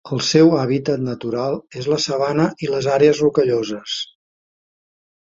El seu hàbitat natural és la sabana i les àrees rocalloses.